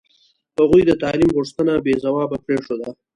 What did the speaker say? هغوی د تعلیم غوښتنه بې ځوابه پرېښوده.